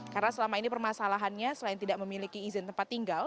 karena selama ini permasalahannya selain tidak memiliki izin tempat tinggal